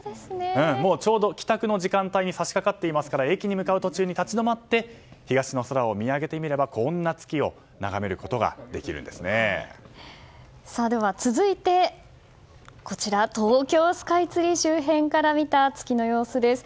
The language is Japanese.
もうちょうど帰宅の時間帯に差し掛かっていますから駅に向かう途中立ち止まって東の空を見上げてみればこんな月を眺めることが続いて、東京スカイツリー周辺から見た月の様子です。